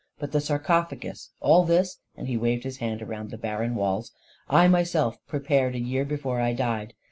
But the sarcophagus — all this," and he waved his hand around at the barren walls, " I myself prepared a year before I died.